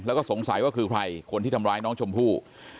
แล้วก็สงสัยว่าคือใครคนที่ทำร้ายน้องชมพู่